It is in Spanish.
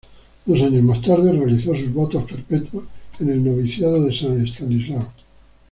Dos años más tarde realizó sus votos perpetuos en el Noviciado de San Estanislao.